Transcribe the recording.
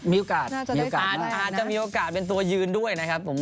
มีโอกาสอาจจะมีโอกาสเป็นตัวยืนด้วยนะครับ